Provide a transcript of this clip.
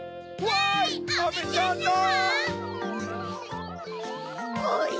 わい！